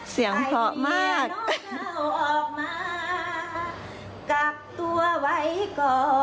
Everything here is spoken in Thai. เสียงพอมาก